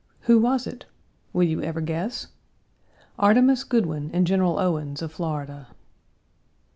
Who was it? Will you ever guess? Artemus Goodwyn and General Owens, of Florida.